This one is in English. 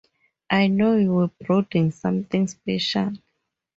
I know you were brooding something special.